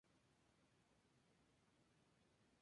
Este cuestionamiento religioso llevó a fricciones con su madre.